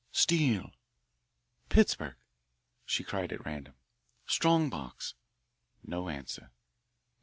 "Steel." "Pittsburg," she cried at random. "Strong box," No answer.